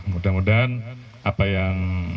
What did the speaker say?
mudah mudahan apa yang